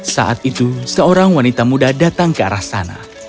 saat itu seorang wanita muda datang ke arah sana